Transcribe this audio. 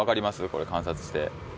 これ観察して。